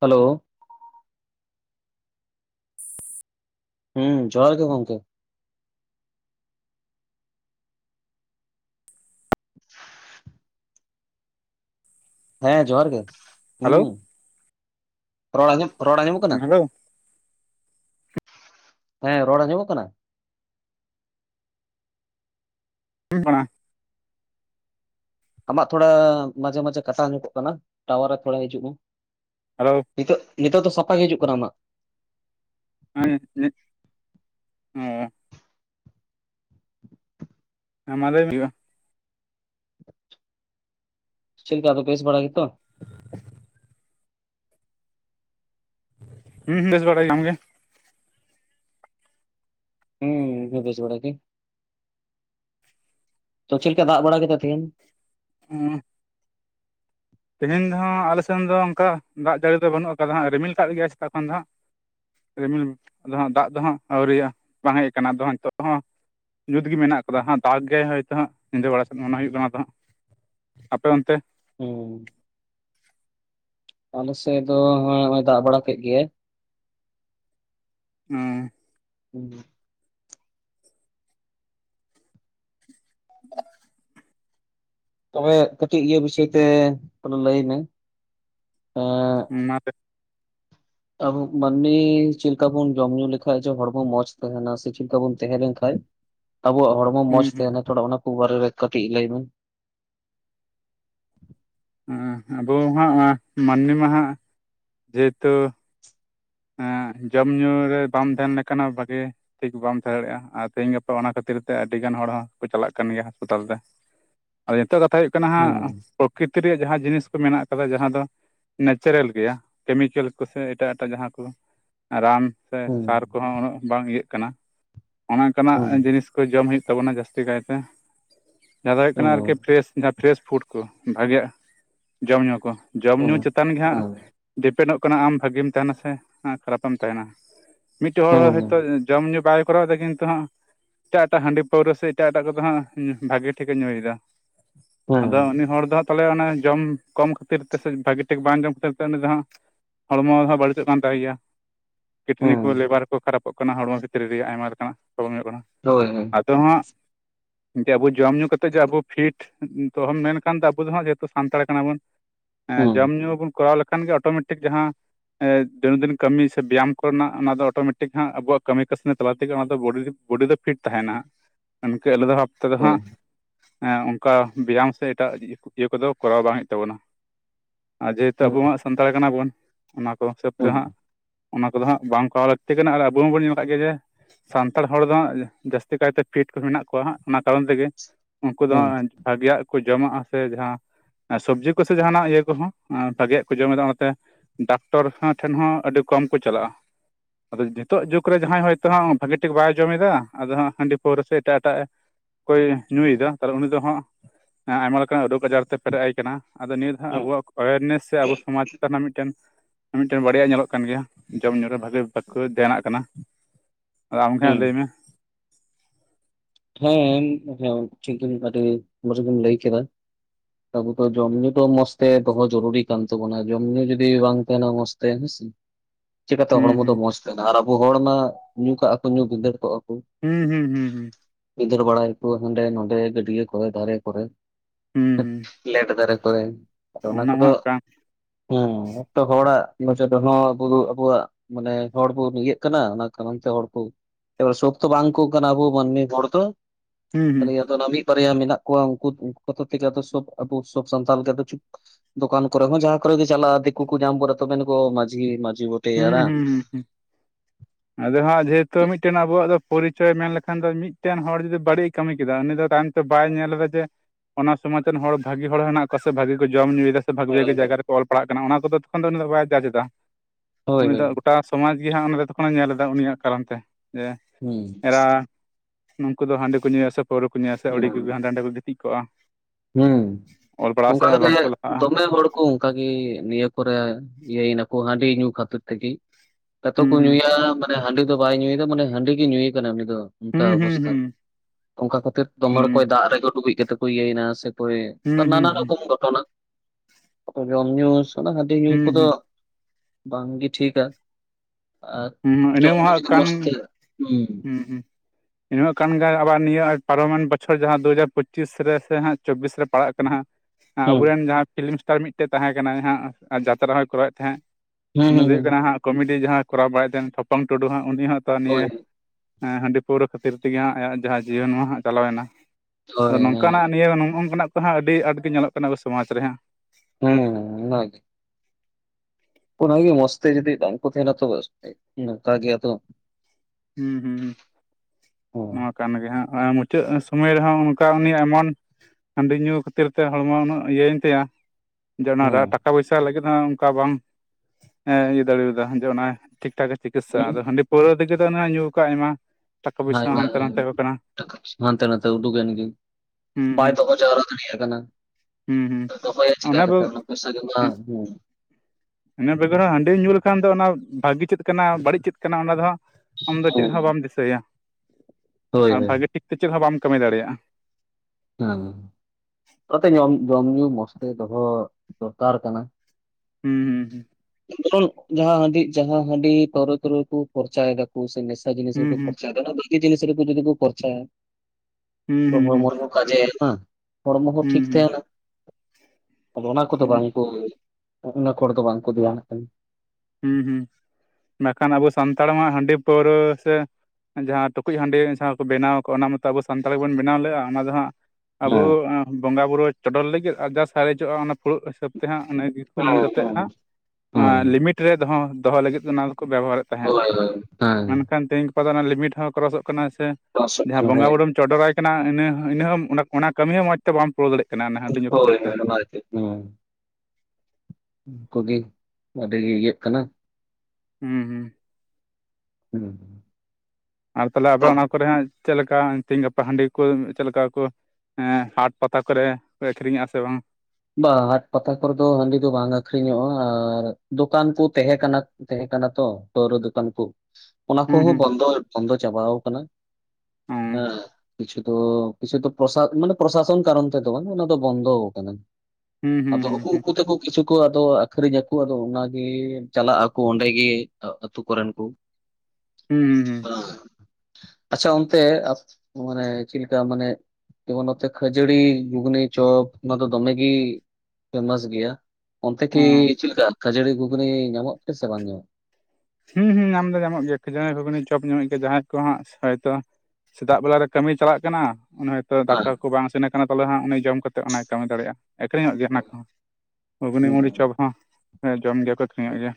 Hello ᱦᱩᱸ ᱡᱚᱦᱟᱨ ᱜᱮ ᱜᱚᱝᱠᱮ᱾ ᱦᱮᱸ ᱡᱚᱦᱟᱨ ᱜᱮ, ᱦᱩᱸ ᱦᱟᱞᱳ ᱨᱚᱲ ᱟᱸᱡᱚᱢ ᱨᱚᱲ ᱟᱡᱟᱢᱚᱜ ᱠᱟᱱᱟ ᱦᱮᱞᱳ ᱦᱮᱸ ᱨᱚᱲ ᱟᱸᱡᱚᱢᱚᱜ ᱠᱟᱱᱟ? [unintelligible] ᱠᱟᱱᱟ ᱟᱢᱟᱜ ᱛᱷᱚᱲᱟ ᱢᱟᱡᱷᱮ ᱢᱟᱡᱷᱮ ᱠᱟᱴᱟᱣ ᱧᱚᱜᱚᱜ ᱠᱟᱱᱟ ᱴᱟᱣᱟᱨ ᱨᱮ ᱛᱷᱚᱲᱟ ᱦᱤᱡᱩᱜ ᱢᱮ, ᱦᱟᱞᱳ ᱱᱤᱛᱚᱜ ᱱᱤᱛᱚᱜ ᱫᱚ ᱥᱟᱯᱷᱟ ᱜᱮ ᱦᱤᱡᱩᱜ ᱠᱟᱱᱟ ᱟᱢᱟᱜ᱾ [unintelligible] ᱟᱢ ᱢᱟ ᱞᱟᱹᱭ ᱢ ᱦᱩᱭᱩᱜ-ᱟ᱾ ᱪᱮᱫᱠᱟ ᱟᱫᱚ ᱵᱮᱥ ᱵᱟᱲᱟ ᱜᱮᱛᱚ? [inaudible] ᱦᱩᱸ ᱦᱩᱸ ᱵᱮᱥ ᱵᱟᱲᱟᱭ ᱜᱮ, ᱟᱢ ᱜᱮ? ᱦᱩᱸ ᱤᱧ ᱦᱚ ᱵᱮᱥ ᱵᱟᱲᱟ ᱜᱮ᱾ ᱛᱚ ᱪᱮᱫ ᱞᱮᱠᱟ ᱫᱟᱜ ᱵᱟᱲᱟ ᱠᱮᱫᱟ ᱛᱮᱦᱮᱧ? ᱩᱸ ᱛᱮᱦᱮᱧ ᱫᱚ ᱦᱟᱸᱜ ᱟᱞᱮᱥᱮᱱ ᱫᱚ ᱚᱱᱠᱟ ᱫᱟᱜ ᱡᱟᱹᱲᱤ ᱫᱚ ᱵᱟᱹᱱᱩᱜ ᱟᱠᱟᱫᱟ ᱦᱟᱸᱜ ᱨᱤᱢᱤᱞ ᱠᱟᱜ ᱜᱮᱭᱟ ᱥᱮᱛᱟᱜ ᱠᱷᱚᱱ ᱫᱚ ᱦᱟᱸᱜ᱾ ᱨᱤᱢᱤᱞ ᱟᱫᱚ ᱦᱟᱸᱜ ᱫᱟᱜ ᱫᱚ ᱦᱟᱸᱜ ᱟᱹᱣᱨᱤᱭᱟ ᱵᱟᱝ ᱦᱮᱡ ᱠᱟᱱᱟ ᱟᱫᱚ ᱦᱟᱸᱜ ᱱᱤᱛᱚᱜ ᱫᱚ ᱦᱚᱸ ᱧᱩᱛ ᱜᱮ ᱢᱮᱱᱟᱜ ᱠᱟᱫᱟ ᱦᱟᱸᱜ ᱫᱟᱜ ᱜᱮ ᱦᱳᱭᱛᱳ ᱦᱟᱸᱜ ᱧᱤᱫᱟᱹ ᱵᱮᱲᱟ ᱥᱮᱫ ᱢᱚᱱᱮ ᱦᱩᱭᱩᱜ ᱠᱟᱱᱟ ᱛᱚ ᱦᱟᱸᱜ᱾ ᱟᱯᱮ ᱚᱱᱛᱮ? ᱦᱩᱸ ᱟᱞᱮ ᱥᱮᱫ ᱫᱚ ᱦᱟᱸᱜ ᱦᱚᱜ ᱚᱭ ᱫᱟᱜ ᱵᱟᱲᱟ ᱠᱮᱫ ᱜᱮᱭᱟᱭ᱾ ᱦᱮᱸ [unintelligible] [inaudible] ᱛᱚᱵᱮ ᱠᱟᱹᱴᱤᱡ ᱤᱭᱟᱹ ᱵᱤᱥᱚᱭ ᱛᱮ ᱠᱚᱱᱳ ᱞᱟᱹᱭ ᱢᱮ᱾ ᱢᱟ ᱛᱮ [unintelligible] ᱟᱵᱚ ᱢᱟᱹᱱᱢᱤ ᱪᱮᱞᱠᱟ ᱵᱚᱱ ᱡᱚᱢ ᱧᱩ ᱞᱮᱠᱷᱟᱱ ᱡᱮ ᱦᱚᱲᱢᱚ ᱢᱚᱸᱡᱽ ᱛᱟᱦᱮᱸᱱᱟ ᱥᱮ ᱪᱮᱞᱠᱟ ᱵᱚᱱ ᱛᱟᱦᱮᱸ ᱞᱮᱱᱠᱷᱟᱡ? ᱟᱵᱚᱣᱟᱜ ᱦᱚᱲᱢᱚ ᱢᱚᱸᱡᱽ ᱦᱩᱸ ᱛᱟᱦᱮᱸᱱᱟ ᱛᱷᱚᱲᱟ ᱚᱱᱟ ᱠᱚ ᱵᱟᱨᱮ ᱨᱮ ᱠᱟᱹᱴᱤᱡ ᱞᱟᱹᱭᱢᱮ᱾ ᱦᱟᱸ ᱦᱟᱸ ᱟᱵᱚ ᱢᱟᱦᱟᱸᱜ ᱢᱟᱹᱱᱢᱤ ᱢᱟᱦᱟᱸᱜ ᱡᱮᱦᱮᱛᱩ ᱦᱮᱸ ᱡᱚᱢ ᱧᱩ ᱨᱮ ᱵᱟᱢ ᱛᱟᱦᱮᱸᱱ ᱞᱮᱠᱷᱟᱱᱟᱜ ᱵᱷᱟᱜᱤ ᱴᱷᱤᱠ ᱵᱟᱢ ᱛᱟᱦᱮᱸ ᱫᱟᱲᱮᱭᱟᱜ-ᱟ ᱟᱨ ᱛᱮᱦᱮᱧ ᱜᱟᱯᱟ ᱚᱱᱟ ᱠᱷᱟᱹᱛᱤᱨ ᱛᱮ ᱟᱹᱰᱤ ᱜᱟᱱ ᱦᱚᱲ ᱦᱚᱸ ᱠᱚ ᱪᱟᱞᱟᱜ ᱠᱟᱱ ᱜᱮᱭᱟ ᱦᱟᱥᱯᱟᱛᱟᱞ ᱛᱮ᱾ ᱟᱫᱚ ᱱᱤᱛᱚᱜ ᱫᱚ ᱠᱟᱛᱷᱟ ᱦᱩᱭᱩᱜ ᱠᱟᱱᱟ ᱦᱟᱸᱜ ᱦᱩᱸ ᱯᱨᱚᱠᱨᱤᱛᱤ ᱨᱮ ᱡᱟᱦᱟᱸ ᱡᱤᱱᱤᱥ ᱠᱚ ᱢᱮᱱᱟᱜ ᱠᱟᱫᱟ ᱡᱟᱦᱟᱸ ᱫᱚ ᱱᱮᱪᱟᱨᱮᱞ ᱜᱮᱭᱟ ᱠᱮᱢᱤᱠᱮᱞ ᱠᱚᱥᱮ ᱮᱴᱟᱜ ᱮᱴᱟᱜ ᱡᱟᱦᱟᱸ ᱠᱚ ᱨᱟᱱ ᱥᱮ ᱦᱩᱸ ᱥᱟᱨ ᱠᱚᱦᱚᱸ ᱩᱱᱟᱹᱜ ᱵᱟᱝ ᱤᱭᱟᱹᱜ ᱠᱟᱱᱟ᱾ ᱚᱱᱟ ᱠᱟᱱᱟᱜ ᱦᱩᱸ ᱡᱤᱱᱤᱥ ᱠᱚ ᱡᱚᱢ ᱦᱩᱭᱩᱜ ᱛᱟᱵᱚᱱᱟ ᱡᱟᱹᱥᱛᱤ ᱠᱟᱭᱛᱮ᱾ ᱡᱟᱦᱟᱸ ᱫᱚ ᱦᱩᱭᱩᱜ ᱠᱟᱱᱟ ᱟᱨᱠᱤ ᱦᱩᱸ ᱯᱷᱨᱮᱥ ᱡᱟᱦᱟᱸ ᱯᱷᱨᱮᱥ ᱯᱷᱩᱰ ᱠᱚ ᱵᱷᱟᱜᱮᱭᱟᱜ ᱡᱚᱢ ᱧᱩ ᱠᱚ᱾ ᱡᱚᱢ ᱧᱩ ᱦᱩᱸ ᱪᱮᱛᱟᱱ ᱜᱮᱦᱟᱸᱜ ᱦᱩᱸ ᱰᱤᱯᱮᱱᱰᱚᱜ ᱠᱟᱱᱟ ᱟᱢ ᱵᱷᱟᱹᱜᱤᱢ ᱛᱟᱦᱮᱸᱱᱟ ᱥᱮ ᱠᱷᱟᱨᱟᱯᱮᱢ ᱛᱟᱦᱮᱸᱱᱟ᱾ ᱢᱤᱫᱴᱮᱱ ᱦᱚᱲ ᱦᱩᱸ ᱦᱚᱭᱛᱚ ᱡᱚᱢ ᱧᱩ ᱵᱟᱭ ᱠᱚᱨᱟᱣ ᱮᱫᱟ ᱠᱤᱱᱛᱩ ᱦᱟᱸᱜ ᱮᱴᱟᱜ ᱮᱴᱟᱜ ᱦᱟᱺᱰᱤ ᱯᱟᱹᱣᱨᱟᱹ ᱥᱮ ᱮᱴᱟᱜ ᱮᱴᱟᱜ ᱠᱚᱫᱚ ᱦᱟᱸᱜ ᱵᱷᱟᱜᱤ ᱴᱷᱤᱠᱮ ᱧᱩᱭᱮᱫᱟ᱾ ᱦᱩᱸ ᱟᱫᱚ ᱩᱱᱤ ᱦᱚᱲ ᱫᱚ ᱛᱟᱦᱚᱞᱮ ᱚᱱᱟ ᱡᱚᱢ ᱠᱚᱢ ᱠᱷᱟᱹᱛᱤᱨ ᱛᱮ ᱥᱮ ᱵᱷᱟᱜᱤ ᱴᱷᱤᱠ ᱵᱟᱝ ᱡᱚᱢ ᱠᱷᱟᱹᱛᱤᱨ ᱛᱮ ᱩᱱᱤ ᱫᱚ ᱦᱟᱸᱜ ᱦᱚᱲᱢᱚ ᱫᱚ ᱦᱟᱸᱜ ᱵᱟᱹᱲᱤᱡᱚᱜ -ᱠᱟᱱ ᱛᱟᱭ ᱜᱮᱭᱟ᱾ ᱠᱤᱴᱱᱤ ᱠᱚ ᱦᱩᱸ ᱞᱮᱵᱟᱨ ᱠᱚ ᱠᱷᱟᱨᱟᱯᱚᱜ ᱠᱟᱱᱟ ᱦᱚᱲᱢᱚ ᱵᱷᱤᱛᱨᱤ ᱨᱮᱭᱟᱜ ᱟᱭᱢᱟ ᱞᱮᱠᱟᱱᱟᱜ ᱯᱨᱚᱵᱮᱞᱮᱢ ᱦᱩᱭᱩᱜ ᱠᱟᱱᱟ᱾ ᱦᱳᱭ ᱦᱳᱭ ᱛᱚ ᱦᱟᱸᱜ ᱡᱮ ᱟᱵᱚ ᱡᱚᱢ ᱧᱩ ᱠᱟᱛᱮᱫ ᱜᱮ ᱟᱵᱚ ᱯᱷᱤᱴ ᱱᱤᱛᱚᱜ ᱦᱚᱢ ᱢᱮᱱᱠᱷᱟᱱ ᱫᱚ ᱟᱵᱚ ᱫᱚ ᱦᱟᱸᱜ ᱡᱮᱦᱮᱛᱩ ᱥᱟᱱᱛᱟᱲ ᱠᱟᱱᱟ ᱵᱚᱱ᱾ ᱦᱮᱸ ᱦᱩᱸ ᱡᱚᱢ ᱧᱩ ᱵᱚᱱ ᱠᱚᱨᱟᱣ ᱞᱮᱠᱷᱟᱱ ᱜᱮ ᱚᱴᱳᱢᱮᱴᱤᱠ ᱡᱟᱦᱟᱸ ᱫᱤᱱᱟᱹ ᱫᱤᱱ ᱠᱟᱹᱢᱤ ᱥᱮ ᱵᱮᱭᱟᱢ ᱠᱚᱨᱮᱱᱟᱜ ᱚᱱᱟ ᱫᱚ ᱚᱴᱳᱢᱮᱴᱤᱠ ᱦᱟᱸᱜ ᱟᱵᱚᱣᱟᱜ ᱠᱟᱹᱢᱤ ᱠᱟᱹᱥᱱᱤ ᱛᱟᱞᱟ ᱛᱮᱜᱮ ᱚᱱᱟ ᱫᱚ ᱵᱚᱰᱤ ᱵᱚᱰᱤ ᱫᱚ ᱯᱷᱤᱴ ᱛᱟᱦᱮᱸᱱᱟ ᱦᱟᱸᱜ ᱤᱱᱠᱟᱹ ᱟᱞᱮᱫᱟ ᱵᱷᱟᱵ ᱛᱮᱫᱚ ᱦᱳᱭ ᱦᱟᱸᱜ ᱦᱮᱸ ᱚᱱᱠᱟ ᱵᱮᱭᱟᱢ ᱥᱮ ᱮᱴᱟᱜ ᱤᱡᱟᱹ ᱠᱚᱫᱚ ᱠᱚᱨᱟᱣ ᱵᱟᱝ ᱦᱩᱭᱩᱜ ᱛᱟᱵᱚᱱᱟ᱾ ᱟᱨ ᱡᱮᱦᱮᱛᱩ ᱦᱩᱸ ᱟᱵᱚ ᱢᱟ ᱦᱟᱸᱜ ᱥᱟᱱᱛᱟᱲ ᱠᱟᱱᱟ ᱵᱚᱱ ᱚᱱᱟ ᱠᱚ ᱦᱤᱥᱟᱹᱵᱽ ᱛᱚ ᱦᱩᱸ ᱦᱟᱸᱜ ᱚᱱᱟ ᱠᱚᱫᱚ ᱦᱟᱸᱜ ᱵᱟᱝ ᱠᱚᱨᱟᱣ ᱞᱟᱹᱠᱛᱤ ᱠᱟᱱᱟ ᱟᱨ ᱟᱵᱚ ᱦᱚᱸᱵᱚᱱ ᱧᱮᱞ ᱟᱠᱟᱫ ᱜᱮᱭᱟ ᱡᱮ ᱥᱟᱱᱛᱟᱲ ᱦᱚᱲ ᱫᱚ ᱦᱟᱸᱜ ᱡᱟᱹᱥᱛᱤ ᱠᱟᱭᱛᱮ ᱯᱷᱤᱴ ᱩᱱᱠᱩ ᱫᱚ ᱢᱮᱱᱟᱜ ᱠᱚᱣᱟ ᱦᱟᱸᱜ ᱚᱱᱟ ᱠᱟᱨᱚᱱ ᱛᱮᱜᱮ ᱩᱱᱠᱩ ᱫᱚ ᱦᱩᱸ ᱦᱩᱸ ᱵᱷᱟᱜᱮᱭᱟᱜ ᱠᱚ ᱡᱚᱢᱟᱜ-ᱟ ᱥᱮ ᱡᱟᱦᱟᱸ ᱥᱚᱵᱡᱤ ᱠᱚᱥᱮ ᱡᱟᱦᱟᱸᱱᱟᱜ ᱤᱭᱟᱹ ᱠᱚᱦᱚᱸ ᱵᱷᱟᱜᱮᱭᱟᱜ ᱠᱚ ᱡᱚᱢᱮᱫᱟ᱾ ᱚᱱᱟᱛᱮ ᱰᱟᱠᱴᱚᱨ ᱦᱚᱸ ᱴᱷᱮᱱ ᱦᱚᱸ ᱟᱹᱰᱤ ᱠᱚᱢ ᱠᱚ ᱪᱟᱞᱟᱜᱼᱟ ᱟᱫᱚ ᱱᱤᱛᱚᱜ ᱡᱩᱜᱽᱨᱮ ᱡᱟᱦᱟᱸᱭ ᱦᱚᱭᱛᱚ ᱦᱟᱸᱜ ᱵᱷᱟᱜᱤ ᱴᱷᱤᱠ ᱵᱟᱭ ᱡᱚᱢᱮᱫᱟ ᱟᱫᱚ ᱦᱟᱸᱜ ᱦᱟᱺᱰᱤ ᱯᱟᱹᱣᱨᱟᱹ ᱥᱮ ᱮᱴᱟᱜ ᱮᱴᱟᱜ ᱠᱚᱭ ᱧᱩᱭᱮᱫᱟ ᱛᱚᱦᱚᱞᱮ ᱩᱱᱤ ᱫᱚ ᱦᱟᱸᱜ ᱟᱭᱢᱟ ᱞᱮᱠᱟᱱᱟᱜ ᱨᱳᱜᱽ ᱟᱡᱟᱨ ᱛᱮ ᱯᱮᱨᱮᱡ ᱟᱭ ᱠᱟᱱᱟ ᱟᱫᱚ ᱱᱤᱭᱟᱹ ᱫᱷᱟ ᱟᱵᱚᱣᱟᱜ ᱮᱣᱮᱨᱱᱮᱥ ᱥᱮ ᱟᱵᱚ ᱥᱚᱢᱟᱡ ᱨᱮᱱᱟᱜ ᱢᱤᱫᱴᱮᱱ ᱢᱤᱫᱴᱮᱱ ᱵᱟᱨᱭᱟ ᱧᱮᱞᱚᱜ ᱠᱟᱱ ᱜᱮᱭᱟ ᱡᱚᱢ ᱧᱩ ᱨᱮ ᱵᱷᱟᱜᱤ ᱵᱟᱠᱚ ᱫᱷᱮᱭᱟᱱᱟᱜ ᱠᱟᱱᱟ ᱟᱫᱚ ᱟᱢ ᱜᱮ ᱦᱟᱸᱜ ᱦᱩᱸ ᱞᱟᱹᱭᱢᱮ ᱦᱮᱸ ᱴᱷᱤᱠ ᱟᱹᱰᱤ ᱢᱚᱡᱽ ᱜᱮᱵᱤᱱ ᱞᱟᱹᱭ ᱠᱮᱫᱟ ᱟᱵᱩ ᱫᱚ ᱡᱚᱢ ᱧᱩ ᱫᱚ ᱢᱚᱸᱡᱽ ᱛᱮ ᱫᱚᱦᱚ ᱡᱩᱨᱩᱨᱤ ᱠᱟᱱ ᱛᱟᱵᱚᱱᱟ ᱡᱚᱢ ᱧᱩ ᱡᱩᱫᱤ ᱵᱟᱝ ᱛᱟᱦᱮᱱᱟ ᱢᱚᱸᱡᱽ ᱛᱮ ᱦᱮᱸᱥᱮ ᱪᱮᱠᱟᱛᱮ ᱦᱩᱸ ᱦᱚᱲᱢᱚ ᱦᱩᱸ ᱫᱚ ᱢᱚᱸᱡᱽ ᱛᱟᱦᱮᱱᱟ ᱟᱨ ᱟᱵᱚ ᱦᱚᱲ ᱢᱟ ᱧᱩ ᱠᱟᱜᱼᱟᱠᱚ ᱧᱩ ᱵᱷᱤᱫᱟᱹᱲ ᱠᱚᱜ ᱟᱠᱚ ᱦᱩᱸ ᱦᱩᱸ ᱦᱩᱸ ᱦᱩᱸ ᱜᱤᱫᱟᱹᱨ ᱵᱟᱲᱟᱭᱠᱚ ᱦᱟᱸᱰᱮ ᱱᱚᱰᱮ ᱜᱟᱹᱰᱭᱟᱹ ᱠᱚᱨᱮ ᱫᱷᱟᱨᱮ ᱠᱚᱨᱮ ᱦᱩᱸ ᱦᱩᱸ ᱞᱮᱴ ᱫᱷᱟᱨᱮ ᱠᱚᱨᱮ ᱟᱫᱚ ᱚᱱᱟ ᱢᱟ ᱠᱚᱫᱚ ᱦᱟᱸᱜ ᱠᱟᱱ ᱦᱩᱸ ᱮᱛᱚ ᱦᱚᱲᱟᱜ ᱱᱚᱡᱚᱨ ᱨᱮᱦᱚᱸ ᱟᱵᱚ ᱫᱚ ᱟᱵᱚᱣᱟᱜ ᱢᱟᱱᱮ ᱦᱚᱲᱵᱚᱱ ᱤᱭᱟᱹᱜ ᱠᱟᱱᱟ ᱚᱱᱟ ᱠᱟᱨᱚᱱ ᱛᱮ ᱦᱚᱲ ᱠᱚ ᱛᱚ ᱥᱚᱵᱽ ᱛᱚ ᱵᱟᱝᱠᱚ ᱠᱟᱱᱟ ᱟᱵᱚ ᱢᱟᱹᱱᱢᱤ ᱦᱚᱲ ᱛᱚ ᱦᱩᱸ ᱦᱩᱸ ᱱᱤᱭᱟᱹ ᱚᱱᱟ ᱢᱤᱫ ᱵᱟᱨᱭᱟ ᱢᱮᱱᱟᱜ ᱠᱚᱣᱟ ᱩᱱᱠᱩ ᱩᱱᱠᱩ ᱠᱟᱛᱷᱟ ᱛᱮᱜᱮ ᱟᱵᱚ ᱥᱚᱵᱽ ᱟᱵᱚ ᱥᱚᱵᱽ ᱥᱟᱱᱛᱟᱲ ᱜᱮ ᱟᱫᱚ ᱴᱷᱤᱠ ᱫᱚᱠᱟᱱ ᱠᱚᱨᱮ ᱦᱚᱸ ᱡᱟᱦᱟᱸ ᱠᱚᱨᱮ ᱜᱮ ᱪᱟᱞᱟᱜᱼᱟ ᱫᱤᱠᱩ ᱠᱚ ᱧᱟᱢ ᱵᱚᱱᱟ ᱛᱚ ᱢᱮᱱᱟᱠᱚ ᱢᱟᱡᱷᱤ ᱢᱟᱡᱷᱤ ᱵᱚ ᱦᱩᱸ ᱦᱩᱸ ᱦᱩᱸ ᱦᱩᱸ [inaudible] ᱟᱫᱚ ᱦᱟᱸᱜ ᱡᱮᱦᱮᱛᱩ ᱢᱤᱫᱴᱮᱱ ᱟᱵᱚᱣᱟᱜ ᱫᱚ ᱯᱚᱨᱤᱪᱚᱭ ᱢᱮᱱ ᱞᱮᱠᱷᱟᱱ ᱫᱚ ᱢᱤᱫᱴᱮᱱ ᱦᱚᱲ ᱡᱩᱫᱤ ᱵᱟᱹᱲᱤᱡ ᱮ ᱠᱟᱹᱢᱤ ᱠᱮᱫᱟ ᱩᱱᱤ ᱫᱚ ᱛᱟᱭᱚᱢ -ᱛᱮ ᱵᱟᱭ ᱧᱮᱞ ᱮᱫᱟ ᱡᱮ ᱚᱱᱟ ᱥᱚᱢᱟᱡᱽ ᱨᱮᱱ ᱦᱚᱲ ᱵᱷᱟᱜᱤ ᱦᱚᱲ ᱦᱮᱱᱟᱜ ᱠᱚᱣᱟ ᱥᱮ ᱵᱷᱟᱜᱤ ᱠᱚ ᱡᱚᱢ ᱧᱩᱭᱮᱫᱟ ᱥᱮ ᱵᱷᱟᱜᱮ ᱵᱷᱟᱜᱮ ᱡᱟᱭᱜᱟ ᱨᱮᱠᱚ ᱚᱞ ᱯᱟᱲᱦᱟᱜ ᱠᱟᱱᱟ ᱚᱱᱟ ᱠᱚᱫᱚ ᱛᱚᱠᱷᱚᱱ ᱩᱱᱤ ᱫᱚ ᱵᱟᱭ ᱡᱟᱡ ᱮᱫᱟ ᱦᱳᱭ ᱩᱱᱤ ᱦᱳᱭ ᱫᱚ ᱜᱚᱴᱟ ᱥᱚᱢᱟᱡᱽ ᱜᱮ ᱦᱟᱸᱜ ᱚᱱᱰᱮ ᱛᱚᱠᱷᱚᱱᱮ ᱧᱮᱞ ᱮᱫᱟ ᱩᱱᱤᱭᱟᱜ ᱠᱟᱨᱚᱱ ᱛᱮ ᱡᱮ ᱦᱩᱸ ᱮᱨᱟ ᱱᱩᱱᱠᱩ ᱫᱚ ᱦᱟᱸᱰᱮ ᱠᱚ ᱧᱩᱭᱟᱥᱮ ᱯᱟᱹᱣᱨᱟᱹ ᱠᱚ ᱧᱩᱭᱟᱥᱮ ᱟᱹᱣᱲᱤ ᱜᱮ ᱦᱟᱸᱰᱮ ᱱᱟᱸᱰᱮ ᱠᱚ ᱜᱤᱛᱤᱡ ᱠᱚᱜᱼᱟ ᱦᱩᱸ ᱚᱞ ᱯᱟᱲᱦᱟᱣ ᱚᱱᱠᱟ ᱥᱮᱫ ᱦᱚᱸ ᱠᱟᱛᱮᱜ ᱵᱟᱝᱠᱚ ᱞᱟᱦᱟᱜᱼᱟ ᱫᱚᱢᱮ ᱦᱚᱲ ᱠᱚ ᱚᱱᱠᱟ ᱴᱜᱮ ᱱᱤᱭᱟᱹ ᱠᱚᱨᱮ ᱤᱭᱟᱹᱭ ᱱᱟᱠᱚ ᱦᱟᱺᱰᱤ ᱧᱩ ᱠᱷᱟᱹᱛᱤᱨ ᱛᱮᱜᱮ ᱠᱟᱛᱚ ᱦᱩᱸ ᱠᱚ ᱧᱩᱭᱟ ᱢᱟᱱᱮ ᱦᱟᱺᱰᱤ ᱫᱚ ᱵᱟᱭ ᱧᱩᱭ ᱮᱫᱟ ᱢᱟᱱᱮ ᱦᱟᱺᱰᱤ ᱜᱮ ᱧᱩᱭ ᱮ ᱠᱟᱱᱟ ᱩᱱᱤ ᱫᱚ ᱚᱱᱠᱟ ᱦᱩᱸ ᱦᱩᱸ ᱚᱵᱚᱥᱛᱷᱟ ᱦᱩᱸ ᱚᱱᱠᱟ ᱠᱷᱟᱹᱛᱤᱨ ᱫᱚᱢᱮᱨ ᱠᱚᱭ ᱦᱩᱸ ᱫᱟᱜ ᱨᱮᱜᱮ ᱰᱩᱵᱩᱡ ᱠᱟᱛᱮ ᱠᱚ ᱤᱭᱟᱹᱭ ᱮᱱᱟ ᱦᱩᱸ ᱦᱩᱸ ᱦᱩᱸ ᱱᱟᱱᱟ ᱦᱩᱸ ᱨᱚᱠᱚᱢ ᱜᱷᱚᱴᱱᱟ ᱡᱚᱢ ᱧᱩ ᱦᱟᱺᱰᱤ ᱧᱩ ᱦᱩᱸ ᱠᱚᱫᱚ ᱵᱟᱝᱜᱮ ᱴᱷᱤᱠᱟ ᱟᱨ ᱦᱩᱸ ᱦᱩᱸ ᱤᱱᱟᱹ ᱡᱚᱢ ᱢᱟ ᱧᱩ ᱦᱟᱸᱜ ᱡᱩᱫᱤ ᱠᱟᱱ ᱢᱚᱡᱽ ᱛᱮ ᱦᱩ‍‍ᱸ ᱤᱱᱟᱹᱜ ᱠᱟᱱ ᱜᱮ ᱟᱵᱟᱨ ᱱᱤᱭᱟᱹ ᱯᱟᱨᱚᱢᱮᱱ ᱵᱚᱪᱷᱚᱨ ᱡᱟᱦᱟᱸ ᱫᱩ ᱦᱟᱡᱟᱨ ᱯᱚᱸᱪᱤᱥ ᱨᱮ ᱥᱮ ᱦᱟᱸᱜ ᱪᱚᱵᱽᱵᱤᱥ ᱨᱮ ᱯᱟᱲᱟᱜ ᱠᱟᱱᱟ ᱦᱟᱸᱜ ᱦᱩᱸ ᱟᱵᱚᱨᱮᱱ ᱡᱟᱦᱟᱸ ᱯᱷᱤᱞᱤᱢ ᱥᱴᱟᱨ ᱢᱤᱫᱴᱮᱱ ᱛᱟᱦᱮᱸ ᱠᱟᱱᱟᱭ ᱦᱟᱸᱜ ᱟᱨ ᱡᱟᱛᱨᱟ ᱦᱚᱸᱭ ᱠᱚᱨᱟᱣ ᱮᱫ ᱛᱟᱦᱮᱸᱫ ᱦᱩᱸ ᱩᱱᱤ ᱫᱚ ᱦᱩᱸ ᱦᱩᱭᱩᱜ ᱦᱩᱸ ᱠᱟᱱᱟ ᱦᱟᱸᱜ ᱠᱚᱢᱮᱰᱤ ᱡᱟᱦᱟᱸ ᱠᱚᱨᱟᱣ ᱵᱟᱲᱟᱭ ᱛᱟᱦᱮᱸᱱ ᱴᱷᱚᱯᱚᱝ ᱴᱩᱰᱩ ᱦᱟᱸᱜ ᱩᱱᱤ ᱦᱚᱸ ᱛᱚ ᱱᱤᱭᱟᱹ ᱦᱳᱭ ᱮᱸ ᱦᱟᱺᱰᱤ ᱯᱟᱹᱣᱨᱟᱹ ᱠᱷᱟᱹᱛᱤᱨ ᱛᱮᱜᱮ ᱦᱟᱸᱜ ᱟᱭᱟᱜ ᱡᱟᱦᱟᱸ ᱡᱤᱭᱚᱱ ᱱᱚᱣᱟ ᱦᱟᱸᱜ ᱪᱟᱞᱟᱣ ᱮᱱᱟ ᱟᱫᱚ ᱦᱳᱭ ᱦᱮᱸ ᱱᱚᱝᱠᱟᱱᱟᱜ ᱱᱤᱭᱟᱹ ᱱᱚᱜ ᱚᱱᱠᱟᱱᱟᱜ ᱠᱚ ᱦᱟᱸᱜ ᱟᱹᱰᱤ ᱟᱸᱴ ᱜᱮ ᱧᱮᱞᱚᱜ ᱠᱟᱱᱟ ᱟᱵᱚ ᱥᱚᱢᱟᱡ ᱨᱮ ᱦᱟᱸᱜ ᱦᱮᱸ ᱚᱱᱟᱜᱮ ᱚᱱᱟᱜᱮ ᱢᱚᱡᱛᱮ ᱡᱚᱫᱤ ᱵᱟᱝᱠᱚ ᱛᱟᱦᱮᱸᱱᱟ ᱛᱚ [unintelligible] ᱜᱮᱭᱟᱛᱚ ᱦᱩᱸ ᱦᱩᱸ ᱦᱮᱸ ᱱᱚᱣᱟ ᱠᱟᱱ ᱜᱮ ᱦᱟᱸᱜ ᱢᱩᱪᱟᱹᱫ ᱥᱳᱢᱚᱭ ᱨᱮᱦᱚᱸ ᱚᱱᱠᱟ ᱩᱱᱤ ᱮᱢᱚᱱ ᱦᱟᱺᱰᱤ ᱧᱩ ᱠᱷᱟᱹᱛᱤᱨ ᱛᱮ ᱦᱚᱲᱢᱚ ᱩᱱᱟᱹᱜ ᱤᱭᱟᱹᱭᱮᱱ ᱛᱟᱭᱟ ᱡᱮ ᱚᱱᱟ ᱦᱮᱸ ᱴᱟᱠᱟ ᱯᱚᱭᱥᱟ ᱞᱟᱹᱜᱤᱫ ᱦᱚᱸ ᱚᱱᱠᱟ ᱵᱟᱝ ᱤᱭᱟᱹ ᱮᱸ ᱫᱟᱲᱮᱭ ᱟᱫᱟ ᱡᱮ ᱚᱱᱟ ᱴᱷᱤᱠ ᱴᱷᱟᱠ ᱮ ᱪᱤᱠᱤᱛᱥᱟ ᱦᱩᱸ ᱟᱫᱚ ᱦᱟᱺᱰᱤ ᱯᱟᱹᱣᱨᱟᱹ ᱛᱮᱫᱚ ᱦᱟᱸᱜ ᱧᱩ ᱠᱟᱜ ᱟᱭ ᱟᱭᱢᱟ ᱴᱟᱠᱟ ᱯᱚᱭᱥᱟ ᱦᱚᱸ ᱟᱭᱢᱟ ᱦᱟᱱᱛᱮ ᱱᱟᱛᱮ ᱠᱟᱱᱟ ᱦᱟᱱᱛᱮ ᱱᱟᱛᱮ ᱩᱰᱩᱠᱮᱱ ᱜᱮ ᱦᱩᱸ ᱵᱟᱭ ᱦᱩᱸ ᱫᱚᱦᱚ ᱡᱟᱣᱨᱟ ᱫᱟᱲᱮᱭᱟᱜ ᱠᱟᱱᱟ ᱦᱩᱸ ᱦᱩᱸ ᱫᱚᱦᱚᱭᱟᱭ ᱪᱤᱠᱟ ᱠᱟᱛᱮ ᱚᱱᱟ ᱯᱚᱭᱥᱟ ᱡᱚᱝᱼᱟ ᱦᱮᱸ᱾ ᱤᱱᱟᱹ ᱵᱮᱜᱚᱨ ᱦᱚᱸ ᱦᱟᱺᱰᱤ ᱧᱩ ᱞᱮᱠᱷᱟᱱ ᱫᱚ ᱚᱱᱟ ᱵᱷᱟᱹᱜᱤ ᱪᱮᱫ ᱠᱟᱱᱟ, ᱵᱟᱹᱲᱤᱡ ᱪᱮᱫ ᱠᱟᱱᱟ ᱚᱱᱟ ᱫᱚ ᱦᱟᱸᱜ ᱟᱢ ᱫᱚ ᱪᱮᱫ ᱦᱳᱭ ᱦᱚᱸ ᱵᱟᱢ ᱫᱤᱥᱟᱹᱭᱟ, ᱦᱳᱭ ᱟᱨ ᱦᱮᱸ ᱵᱷᱟᱹᱜᱤ ᱴᱷᱤᱠ ᱛᱮ ᱪᱮᱫ ᱦᱚᱸ ᱵᱟᱢ ᱠᱟᱹᱢᱤ ᱫᱟᱲᱮᱭᱟᱜᱼᱟ᱾ ᱦᱮᱸ ᱚᱠᱮ ᱧᱚᱢ ᱡᱚᱢ ᱧᱩ ᱢᱚᱡᱽ ᱛᱮ ᱫᱚᱦᱚ ᱫᱚᱨᱠᱟᱨ ᱠᱟᱱᱟ᱾ ᱦᱩᱸ ᱦᱩᱸ ᱦᱩᱸ᱾ [unintelligible] ᱡᱟᱦᱟᱸ ᱦᱟᱺᱰᱤ ᱡᱟᱦᱟᱸ ᱦᱟᱺᱰᱤ [unintelligible] ᱠᱩ- ᱠᱷᱚᱨᱪᱟᱭ ᱫᱟᱠᱩ ᱥᱮ ᱱᱮᱥᱟ ᱡᱤᱱᱤᱥ ᱦᱩᱸ ᱠᱷᱚᱨᱪᱟᱭ ᱫᱟᱠᱚ ᱚᱱᱟ ᱫᱚ ᱤᱠᱤ ᱡᱤᱱᱤᱥ ᱨᱮᱜᱮ ᱡᱩᱫᱤ ᱠᱚ ᱠᱷᱚᱨᱪᱟᱭᱟ᱾ ᱦᱩᱸ ᱛᱚ ᱦᱩᱸ ᱦᱩᱸ ᱦᱚᱲᱢᱚ ᱨᱮᱦᱚᱸ ᱠᱟᱡᱮ ᱮᱢᱟ ᱦᱚᱲᱢᱚ ᱦᱚᱸ ᱴᱷᱤᱠ ᱦᱩᱸ ᱛᱟᱦᱮᱸᱱᱟ᱾ ᱟᱫᱚ ᱚᱱᱟ ᱠᱚᱫᱚ ᱦᱩᱸ ᱦᱩᱸ ᱵᱟᱝᱠᱚ ᱚᱱᱟ ᱠᱷᱚᱲ ᱫᱚ ᱵᱟᱝᱠᱚ ᱫᱷᱮᱭᱟᱱ ᱠᱟᱱᱟ᱾ ᱦᱩᱸ ᱦᱩᱸ ᱱᱟᱠᱷᱟᱱ ᱟᱵᱚ ᱥᱟᱱᱛᱟᱲ ᱢᱟ ᱦᱟᱺᱰᱤ ᱯᱟᱹᱣᱨᱟᱹ ᱥᱮ ᱡᱟᱦᱟᱸ ᱴᱩᱠᱩᱡ ᱦᱟᱺᱰᱤ ᱡᱟᱦᱟᱸ ᱠᱚ ᱵᱮᱱᱟᱣ ᱟᱠᱚ ᱚᱱᱟ ᱢᱚᱛᱚ ᱟᱵᱚ ᱥᱟᱱᱛᱟᱲ ᱜᱮᱵᱚᱱ ᱵᱮᱱᱟᱣ ᱞᱮᱜᱼᱟ, ᱚᱱᱟ ᱡᱟᱦᱟᱸ ᱟᱵᱚ ᱦᱮᱸ ᱮ ᱵᱚᱸᱜᱟ ᱵᱩᱨᱩ ᱪᱚᱰᱚᱨ ᱞᱟᱹᱜᱤᱫ ᱟᱨ ᱥᱟᱨᱮᱡᱚᱜᱼᱟ ᱚᱱᱟ ᱯᱷᱩᱲᱩᱜ ᱦᱤᱥᱟᱹᱵ ᱛᱮ ᱦᱟᱸᱜ ᱚᱱᱟ ᱜᱮ᱾ ᱧᱩ ᱦᱮᱸ ᱠᱟᱛᱮᱜ ᱦᱮᱸ ᱦᱟᱸᱜ ᱦᱮᱸ ᱟᱸ ᱞᱤᱢᱤᱴ ᱨᱮ ᱫᱚᱦᱚ ᱫᱚᱦᱚ ᱞᱟᱹᱜᱤᱛ ᱚᱱᱟ ᱫᱚᱠᱚ ᱵᱮᱵᱚᱦᱟᱨᱮᱫ ᱛᱟᱦᱮᱸᱜ, ᱦᱳᱭ ᱦᱳᱭ ᱦᱮᱸ ᱢᱮᱱᱠᱷᱟᱱ ᱛᱮᱦᱮᱧ ᱜᱟᱯᱟ ᱫᱚ ᱚᱱᱟ ᱞᱤᱢᱤᱴ ᱦᱚᱸ ᱠᱨᱚᱥᱚᱜ ᱠᱟᱱᱟ ᱥᱮ ᱚᱥᱩᱠ ᱡᱟᱦᱟᱸ ᱠᱟᱱᱟ ᱵᱚᱸᱜᱟ ᱦᱳᱭ ᱵᱩᱨᱩᱢ ᱪᱚᱰᱚᱨᱟᱭ ᱠᱟᱱᱟ ᱤᱱᱟᱹ ᱦᱚᱸ ᱚᱱᱟ ᱠᱟᱹᱢᱤ ᱦᱚᱸ ᱢᱚᱸᱡᱽ ᱛᱮ ᱵᱟᱢ ᱪᱚ ᱯᱩᱣ ᱫᱟᱲᱮᱭᱟᱜ ᱱᱟ ᱦᱳᱭ ᱦᱳᱭ ᱚᱱᱟ ᱠᱷᱟᱹᱛᱤᱨ ᱛᱮᱦᱚᱸ᱾ ᱠᱚᱜᱤ ᱟᱹᱰᱤ ᱜᱮ ᱤᱭᱟᱹᱜ ᱠᱟᱱᱟ᱾ ᱦᱩᱸ ᱦᱩᱸ᱾ ᱦᱩᱸ᱾ ᱟᱨ ᱛᱟᱞᱦᱮ ᱟᱵᱮ ᱚᱱᱟ ᱠᱚᱨᱮ ᱦᱟᱸᱜ ᱪᱮᱫ ᱞᱮᱠᱟ ᱛᱮᱦᱮᱧ ᱜᱟᱯᱟ ᱦᱟᱺᱰᱤ ᱠᱚ ᱪᱮᱫ ᱞᱮᱠᱟ ᱠᱚ ᱦᱮᱸ ᱦᱟᱴ ᱯᱟᱛᱟ ᱠᱚᱨᱮ ᱯᱮ ᱟᱹᱠᱷᱨᱤᱧᱮᱜᱼᱟ ᱥᱮ ᱵᱟᱝ? ᱵᱟ ᱦᱟᱴ ᱯᱟᱛᱟ ᱠᱚᱨᱮ ᱫᱚ ᱦᱟᱺᱰᱤ ᱫᱚ ᱵᱟᱝ ᱟᱠᱷᱨᱤᱧᱚᱜᱼᱟ ᱟᱨ ᱫᱚᱠᱟᱱ ᱠᱚ ᱛᱟᱦᱮᱸ ᱠᱟᱱᱟ᱾ ᱛᱟᱦᱮᱸ ᱠᱟᱱᱟ ᱛᱚ ᱯᱟᱹᱣᱨᱟᱹ ᱫᱚᱠᱟᱱ ᱠᱩ ᱚᱱᱟ ᱦᱩᱸ ᱠᱚᱦᱚᱸ ᱵᱚᱱᱫᱚ-ᱵᱚᱱᱫᱚ ᱪᱟᱵᱟᱣ ᱠᱟᱱᱟ᱾ ᱦᱩᱸ ᱦᱮᱸ᱾ ᱠᱤᱪᱷᱩ ᱫᱚ ᱠᱤᱪᱷᱩ ᱯᱨᱚᱥᱟ ᱢᱟᱱᱮ ᱯᱨᱚᱥᱟᱥᱚᱱ ᱠᱟᱨᱚᱱ ᱛᱮ ᱛᱚ ᱵᱟᱝ ᱚᱱᱟ ᱫᱚ ᱵᱚᱱᱫᱚ ᱠᱟᱱᱟ᱾ ᱦᱩᱸ ᱦᱩᱸ ᱟᱫᱚ ᱦᱩᱸ ᱩᱠᱩ ᱦᱩᱸ ᱩᱠᱩ ᱛᱮᱠᱚ ᱠᱤᱪᱷᱩ ᱠᱚ ᱟᱫᱚ ᱟᱹᱠᱷᱨᱤᱧ ᱟᱠᱚ ᱟᱫᱚ ᱚᱱᱟᱜᱮ ᱪᱟᱞᱟᱜ ᱟᱠᱚ ᱚᱸᱰᱮ ᱜᱮ ᱟᱹᱛᱩ ᱠᱚᱨᱮᱱ ᱠᱩ᱾ ᱻ ᱦᱩᱸ ᱦᱩᱸ ᱦᱩᱸ ᱟᱸ ᱟᱪᱪᱷᱟ ᱚᱱᱛᱮ ᱟᱯ ᱢᱟᱱᱮ ᱪᱮᱫ ᱞᱤᱠᱟ ᱢᱟᱱᱮ ᱛᱮᱢᱚᱱᱚᱛᱮ ᱠᱷᱟᱹᱡᱟᱹᱲᱤ ᱜᱷᱩᱜᱽᱱᱤ ᱪᱚᱯ ᱚᱱᱟ ᱫᱚ ᱫᱚᱢᱮ ᱜᱤ ᱯᱷᱮᱢᱟᱥ ᱜᱮᱭᱟ ᱚᱱᱛᱮ ᱠᱤ ᱚᱸ ᱪᱮᱫᱞᱤᱠᱟ? ᱠᱷᱟᱹᱡᱟᱹᱲᱤ ᱜᱩᱜᱽᱱᱤ ᱧᱟᱢᱚᱜ ᱯᱮ ᱥᱮ ᱵᱟᱝ ᱧᱟᱢᱚᱜᱼᱟ? ᱦᱩᱸ ᱦᱩᱸ ᱧᱟᱢ ᱫᱚ ᱧᱟᱢᱚᱜ ᱜᱤᱭᱟ, ᱠᱷᱟᱹᱡᱟᱹᱲᱤ ᱜᱷᱩᱜᱩᱱᱤ ᱪᱚᱯ ᱧᱟᱢᱚᱜ ᱜᱮᱭᱟ ᱡᱟᱦᱟᱸᱭ ᱠᱚ ᱦᱟᱸᱜ ᱦᱚᱭᱛᱚ ᱥᱮᱛᱟᱜ ᱵᱮᱲᱟ ᱨᱮ ᱠᱟᱹᱢᱤᱭ ᱪᱟᱞᱟᱜ ᱠᱟᱱᱟ, ᱚᱱᱮ ᱦᱚᱭᱛᱚ ᱫᱟᱠᱟ ᱠᱚ ᱵᱟᱝ ᱤᱥᱤᱱ ᱠᱟᱱᱟ ᱛᱟᱦᱮ ᱦᱟᱸᱜ ᱩᱱᱤ ᱡᱚᱢ ᱠᱟᱛᱮᱫ ᱚᱱᱟᱭ ᱠᱟᱹᱢᱤ ᱫᱟᱲᱮᱭᱟᱜᱼᱟ᱾ ᱟᱹᱠᱷᱨᱤᱧᱚᱜ ᱜᱮᱭᱟ ᱚᱱᱟ ᱠᱚᱸᱦᱚ, ᱜᱷᱩᱜᱽᱱᱤ ᱦᱩᱸ ᱢᱩᱲᱤ ᱪᱚᱯ ᱦᱚᱸ ᱡᱚᱢ ᱜᱮᱭᱟ ᱠᱚ ᱟᱹᱠᱷᱨᱤᱧᱚᱜ ᱜᱮᱭᱟ᱾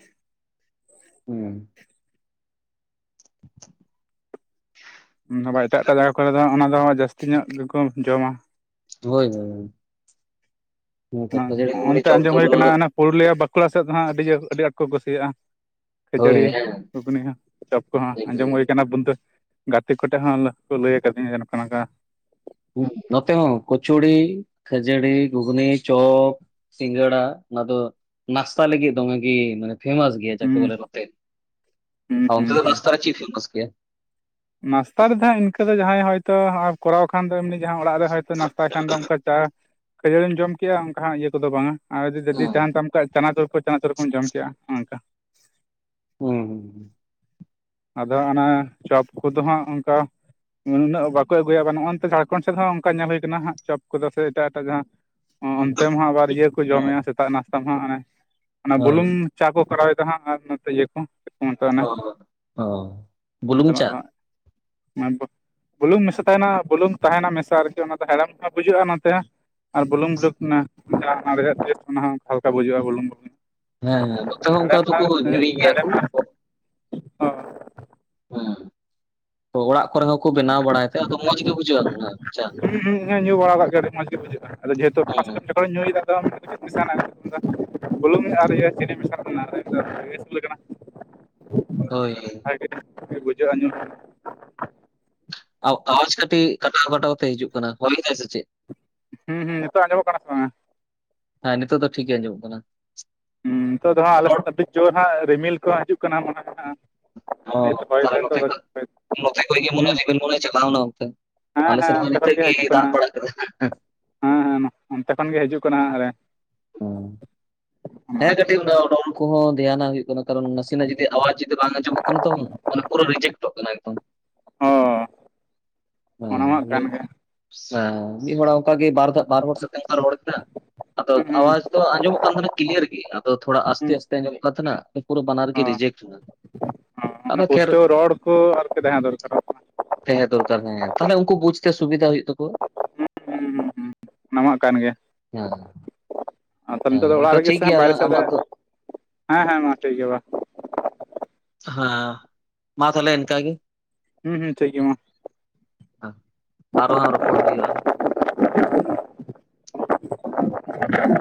ᱦᱩᱸ [inaudible] [inaudible] ᱩᱸ ᱟᱵᱟ ᱮᱴᱟᱜ-ᱮᱴᱟᱜ ᱡᱟᱭᱜᱟ ᱠᱚᱨᱮ ᱫᱚ ᱚᱱᱟ ᱫᱚ ᱡᱟᱹᱥᱛᱤ ᱧᱚᱜ ᱜᱮᱠᱚ ᱡᱚᱢᱟ᱾ ᱦᱳᱭ ᱦᱳᱭ ᱦᱳᱭ᱾ [unintelligible] ᱜᱷᱩᱜᱽᱱᱤ ᱚ-ᱚᱱᱛᱮ ᱪᱚᱯ ᱫᱚ ᱟᱸᱡᱚᱢ ᱦᱳᱭ ᱠᱟᱱᱟ ᱯᱩᱨᱩᱞᱤᱭᱟᱹ ᱵᱟᱸᱠᱩᱲᱟ ᱥᱮᱫ ᱫᱚ ᱦᱟᱸᱜ ᱟᱹᱰᱤ ᱟᱹᱰᱤ ᱟᱸᱴ ᱠᱚ ᱠᱩᱥᱤᱭᱟᱜᱼᱟ᱾ ᱦᱳᱭ ᱠᱷᱟᱹᱡᱟᱹᱲᱤ, ᱦᱮᱸ ᱜᱩᱜᱽᱱᱤ, ᱪᱚᱯ ᱠᱚᱦᱚᱸ ᱟᱸᱡᱚᱢ ᱦᱳᱭ ᱦᱩᱸ ᱠᱟᱱᱟ ᱵᱚᱱᱫᱟᱹ ᱜᱟᱛᱮ ᱠᱚᱴᱷᱮᱱ ᱦᱚᱸᱻ ᱞᱚ ᱠᱚ ᱞᱟᱹᱭ ᱟᱠᱟᱫᱤᱧᱟ ᱡᱮ ᱱᱚᱸᱠᱟ ᱱᱚᱸᱠᱟ, ᱩᱸ ᱱᱚᱛᱮ ᱦᱚᱸ ᱠᱚᱪᱚᱲᱤ, ᱠᱷᱟᱹᱡᱟᱹᱲᱤ, ᱜᱷᱩᱜᱽᱱᱤ, ᱪᱚᱻᱯ ᱥᱤᱸᱜᱟᱲᱟ ᱚᱱᱟ ᱫᱚ ᱱᱟᱥᱛᱟ ᱞᱟᱹᱜᱤᱫ ᱫᱚᱢᱮ ᱜᱮ ᱢᱟᱱᱮ ᱯᱷᱮᱢᱟᱥ ᱜᱮ ᱮᱭᱟ ᱡᱟᱠᱮ ᱦᱩᱸ ᱵᱚᱞᱮ ᱱᱚᱛᱮ, ᱦᱩᱸ ᱟ ᱚᱱᱛᱮ ᱦᱩᱸ ᱫᱚ ᱦᱩᱸ ᱱᱟᱥᱛᱟ ᱨᱮ ᱪᱮᱜ ᱯᱷᱮᱢᱟᱥ ᱜᱮᱭᱟ? ᱱᱟᱥᱛᱟ ᱨᱮᱫᱚ ᱦᱟᱸᱜ ᱤᱱᱠᱟᱹ ᱡᱟᱦᱟᱸᱭ ᱦᱚᱭᱛᱳ ᱦᱚᱸᱜᱼᱚ ᱠᱚᱨᱟᱣ ᱠᱷᱟᱱ ᱫᱚᱭ ᱮᱢᱱᱤ ᱡᱟᱦᱟᱸ ᱚᱲᱟᱜ ᱨᱮ ᱦᱚᱭᱛᱚ ᱱᱟᱥᱛᱟ ᱠᱷᱟᱱ ᱫᱚ ᱚᱱᱠᱟ ᱪᱟ, ᱠᱷᱟᱹᱡᱟᱹᱲᱤᱢ ᱡᱚᱢ ᱠᱮᱜᱼᱟ ᱚᱱᱠᱟ ᱦᱟᱸᱜ ᱤᱭᱟᱹ ᱠᱚᱫᱚ ᱵᱟᱝᱼᱟ, ᱟᱸ ᱡᱩᱫᱤ, ᱡᱩᱫᱤ ᱦᱩᱸ ᱛᱟᱦᱮᱸᱱ ᱛᱟᱢ ᱠᱷᱟᱡ ᱪᱟᱱᱟᱪᱩᱨ ᱠᱚ ᱪᱟᱱᱟᱪᱩᱨ ᱠᱚᱢ ᱠᱮᱜᱼᱟ ᱱᱚᱜᱼᱱᱚᱸᱠᱟ ᱾ ᱦᱩᱸ ᱦᱩᱸ ᱦᱩᱸ, ᱟᱫᱚ ᱚᱱᱟ ᱪᱚᱯ ᱠᱚᱫᱚ ᱦᱟᱸᱜ ᱚᱱᱠᱟ ᱱᱩᱱᱟᱹᱜ ᱵᱟᱠᱚ ᱟᱹᱜᱩᱭᱟ ᱱᱚᱜᱼᱚᱱᱛᱮ ᱩᱸ ᱩᱸ ᱱᱟᱹᱜ ᱵᱟᱠᱚ ᱟᱹᱜᱩᱭᱟ ᱜᱚ ᱱᱚᱜᱼᱱᱚᱛᱮ ᱡᱷᱟᱲᱠᱷᱚᱸᱰ ᱥᱮᱫ ᱦᱚᱸ ᱚᱱᱠᱟ ᱧᱮᱞ ᱦᱩᱭ ᱟᱠᱟᱱᱟ ᱦᱟᱸᱜ ᱪᱚᱯ ᱠᱚᱫᱚ ᱥᱮ ᱮᱴᱟᱜ ᱮᱴᱟᱜ ᱡᱟᱦᱟᱸ ᱚᱸ ᱚᱸᱛᱮ ᱢᱟ ᱟᱵᱟᱨᱤᱭᱟᱹ ᱠᱚ ᱦᱩᱸ ᱡᱚᱢᱮᱜᱼᱟ ᱥᱮᱛᱟᱜ ᱱᱟᱥᱛᱟ ᱦᱚᱸ, ᱚᱱᱮ ᱚᱱᱟ ᱦᱳᱭ ᱵᱩᱞᱩᱝ, ᱪᱟ ᱠᱚ ᱠᱚᱨᱟᱣ ᱮᱫᱟ ᱦᱟᱸᱜ ᱟᱨ ᱱᱚᱛᱮ ᱤᱭᱟᱹ ᱠᱚ ᱪᱮᱫ ᱠᱚ ᱢᱮᱛᱟᱜᱼᱟ ᱚᱱᱮ ᱚᱦᱚᱜ ᱚ, ᱵᱩᱞᱩᱝ ᱚᱱᱛᱮᱱᱟᱜ ᱪᱟ ᱫᱚ ᱦᱟᱸᱜ [unintelligible] ᱵᱩᱞᱩᱝ ᱢᱮᱥᱟ ᱛᱟᱦᱮᱸᱱᱟ, ᱵᱩᱞᱩᱝ ᱛᱟᱦᱮᱸᱱᱟ ᱢᱮᱥᱟ ᱟᱨᱠᱤ ᱚᱱᱟ ᱫᱚ ᱦᱮᱲᱮᱢ ᱦᱚᱸ ᱵᱩᱡᱷᱟᱹᱜᱼᱟ ᱱᱚᱛᱮ ᱟᱨ ᱵᱩᱞᱩᱝ ᱞᱩᱠ ᱱᱟ [unintelligible] ᱚᱱᱟ ᱦᱚᱸ, ᱦᱟᱞᱠᱟ ᱵᱩᱡᱷᱟᱹᱜᱼᱟ ᱵᱩᱞᱩᱝ ᱵᱩᱞᱩᱝ ᱦᱮᱸ ᱦᱮᱸ ᱱᱚᱛᱮ ᱦᱚᱸ [unintelligible] ᱚᱱᱠᱟ ᱦᱮᱲᱮᱢ ᱫᱚᱠᱚ ᱧᱩᱭ ᱜᱮᱭᱟ ᱠᱚ ᱦᱮᱲᱮᱢ [unintelligible] ᱚ ᱦᱮᱸ ᱛᱚ ᱚᱲᱟᱜ ᱠᱚᱨᱮ ᱦᱚᱸᱠᱚ ᱵᱮᱱᱟᱣ ᱵᱟᱲᱟᱭ ᱛᱮ ᱟᱫᱚ ᱢᱚᱸᱡᱽ ᱜᱮ ᱵᱩᱡᱷᱟᱹᱜᱼᱟ, ᱟᱫᱚ ᱚᱱᱟ? ᱪᱟ ᱦᱩᱸ ᱦᱩᱸ ᱦᱩᱸ ᱧᱩ ᱵᱟᱲᱟ ᱠᱟᱜ ᱜᱮᱭᱟ ᱞᱤᱧ ᱢᱚᱸᱡᱽ ᱜᱮ ᱵᱩᱡᱷᱟᱹᱜᱼᱟ ᱟᱫᱚ ᱡᱮᱦᱩᱛᱩ ᱦᱮᱸ [unintelligible] ᱦᱚᱭ ᱧᱩᱭᱮᱫᱟ ᱫᱚᱢ [unintelligible] ᱢᱮᱥᱟ ᱚᱱᱠᱟ ᱵᱩᱞᱩᱝ ᱟᱨ ᱤᱭᱟᱹ ᱪᱤᱱᱤ ᱢᱮᱥᱟ ᱛᱟᱱᱟᱜ ᱨᱮ, [unintelligible] ᱞᱮ ᱠᱟᱱᱟᱜ᱾ [inaudible] ᱦᱳᱭ ᱦᱳᱭ᱾ ᱟᱹᱰᱤ [unintelligible] ᱵᱩᱡᱷᱟᱹᱜᱼᱟ ᱧᱩ᱾ [unintelligible] ᱟᱣ ᱟᱣᱟᱡᱽ ᱠᱟᱹᱴᱤᱜ ᱠᱟᱴᱟᱣ ᱠᱟᱴᱟᱣ ᱛᱮ ᱦᱤᱡᱩᱜ ᱠᱟᱱᱟ, ᱦᱚᱭ ᱮᱫᱟᱭ ᱥᱮ ᱪᱮᱫ? ᱦᱩᱸ ᱦᱩᱸ ᱱᱤᱛᱚᱜ ᱟᱸᱡᱚᱢᱚᱜ ᱠᱟᱱᱟ ᱥᱮ ᱵᱟᱝᱼᱟ? ᱦᱮᱸ ᱱᱤᱛᱚᱜ ᱫᱚ ᱴᱷᱤᱠ ᱜᱮ ᱟᱸᱡᱚᱢᱚᱜ ᱠᱟᱱᱟ᱾ ᱦᱸ ᱱᱤᱛᱚᱜ ᱫᱚ ᱦᱟᱸᱜ ᱟᱞᱮᱥᱮᱫ ᱟᱹᱰᱤ ᱡᱩᱨ ᱦᱟᱸᱜ ᱨᱤᱢᱤᱞ ᱠᱚ ᱦᱟᱸᱜ ᱦᱤᱡᱩᱜ ᱠᱟᱱᱟ ᱢᱚᱱᱮ ᱫᱚ ᱱᱷᱟᱸᱜ-ᱟ, ᱦᱚᱸ ᱛᱟᱦᱚᱞᱮ ᱱᱚᱛᱮ ᱠᱷᱚᱡ, ᱱᱚᱛᱮ ᱠᱷᱚᱡ ᱜᱮ ᱢᱚᱱᱮ ᱨᱮᱢᱤᱞ ᱢᱚᱱᱮ ᱪᱟᱞᱟᱣᱮᱱᱟ ᱚᱱᱛᱮ᱾ ᱦᱮᱸ ᱟᱞᱮ ᱥᱮᱫ ᱦᱮᱸ ᱦᱚᱸ ᱚᱱᱛᱮ ᱠᱷᱚᱱ ᱱᱤᱛᱟᱹᱜ ᱦᱤᱡᱩᱜ ᱜᱮ ᱠᱟᱱᱟ ᱫᱟᱜ ᱵᱟᱲᱟ ᱠᱮᱫᱟᱭ ᱱᱷᱟᱸᱜ ᱦᱮᱸ᱾ ᱦᱮᱸ ᱦᱮᱸ ᱱᱚ ᱚᱱᱛᱮ ᱠᱷᱚᱱ ᱜᱮ ᱦᱤᱡᱩ ᱠᱟᱱᱟ ᱦᱟᱸᱜ ᱟᱞᱮ ᱦᱚᱸ, ᱦᱮᱸ ᱠᱟᱹᱴᱤᱜ ᱩᱱᱟᱹᱜ ᱚᱰᱚᱝ ᱠᱚᱦᱚᱸ ᱫᱷᱮᱭᱟᱱᱟᱜ ᱦᱩᱭᱩᱜ ᱠᱟᱱᱟ ᱠᱟᱨᱚᱱ ᱱᱟᱥᱮᱱᱟᱜ ᱡᱩᱫᱤ ᱟᱣᱟᱡᱽ ᱡᱩᱫᱤ ᱵᱟᱝ ᱟᱸᱡᱚᱢᱚᱜ ᱠᱟᱱᱟ ᱛᱚ ᱚᱱᱟ ᱯᱩᱨᱟᱹ ᱨᱤᱡᱮᱠᱴ ᱴᱚᱜ ᱠᱟᱱᱟ ᱮᱠᱫᱚᱢ᱾ ᱚ ᱚᱱᱟ ᱢᱟ ᱠᱟᱱ ᱜᱮ᱾ ᱥᱟ ᱢᱤᱫ ᱦᱚᱲᱟᱜ ᱚᱸᱠᱟ ᱜᱮ ᱵᱟᱨ ᱫᱷᱟᱣ ᱵᱟᱨ ᱦᱚᱲ ᱥᱟᱶᱛᱮ ᱚᱱᱠᱟ ᱨᱚᱲ ᱠᱮᱫᱟ ᱟᱫᱚ ᱦᱩᱸ ᱦᱩᱸ ᱟᱣᱟᱡᱽ ᱛᱚ ᱟᱸᱡᱽᱚᱢᱚᱜ ᱠᱟᱱ ᱛᱟᱦᱮᱸᱱᱟ ᱠᱤᱞᱭᱟᱨ ᱜᱮ ᱟᱫᱚ ᱛᱷᱚᱲᱟ ᱟᱥᱛᱮ ᱦᱩᱸ ᱟᱥᱛᱮ ᱟᱸᱡᱽᱚᱢᱚᱜ ᱠᱟᱱ ᱛᱟᱦᱮᱱᱟ, ᱛᱟᱦᱮᱸᱱᱟ, [unintelligible] ᱯᱩᱨᱟᱹ ᱵᱟᱱᱟᱨ ᱜᱮ ᱚ ᱨᱮᱡᱮᱠᱴ ᱮᱱᱟ, ᱚ ᱚᱱᱟ ᱟᱫᱚ ᱠᱷᱮᱨ ᱯᱩᱥᱴᱟᱹᱣ ᱨᱚᱲ ᱠᱚ ᱟᱨᱠᱤ ᱛᱟᱦᱮᱸ ᱫᱚᱨᱠᱟᱨᱚᱜ ᱠᱟᱱᱟ ᱛᱟᱦᱮᱸ ᱫᱚᱨᱠᱟᱨ ᱛᱟᱦᱮᱸᱭᱟ, ᱛᱟᱦᱮᱞᱮ ᱩᱸᱠᱩ ᱵᱩᱡᱽ ᱛᱮ ᱥᱩᱵᱤᱫᱷᱟ ᱦᱩᱭᱩᱜ ᱛᱟᱠᱚᱣᱟ, ᱦᱩᱸ ᱦᱩᱸ ᱦᱩᱸ ᱚᱱᱟᱢᱟᱜ ᱠᱟᱱ ᱜᱮ᱾ ᱦᱮᱸ ᱟᱫᱚ ᱱᱤᱛᱚᱜ ᱦᱮᱸ ᱫᱚ ᱚᱲᱟᱜ ᱟᱫᱚ ᱨᱮᱜᱮ ᱴᱷᱤᱠ ᱥᱮ ᱦᱟᱸᱜ ᱜᱮᱭᱟ ᱵᱟᱦᱨᱮ ᱟᱞᱟᱝ ᱥᱮᱫ ᱨᱮ, ᱟᱢᱟᱜ ᱫᱚ ᱦᱮᱸ ᱦᱮᱸ ᱢᱟ ᱴᱷᱤᱠ ᱜᱮᱭᱟ ᱵᱟ᱾ ᱦᱟᱸ ᱢᱟ ᱛᱟᱦᱚᱞᱮ ᱤᱱᱠᱟᱜᱮ᱾ ᱦᱩᱸ ᱦᱩᱸ ᱴᱷᱤᱠ ᱜᱮᱭᱟ ᱢᱟ᱾ ᱟ ᱟᱨᱚ ᱦᱟᱸᱜ ᱨᱚᱯᱚᱲ ᱦᱩᱭᱩᱜᱼᱟ, [inaudible] [inaudible]